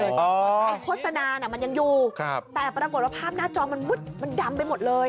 โจทนามันยังอยู่แต่ปรากฏว่าภาพหน้าจอมันมืดมันดำไปหมดเลย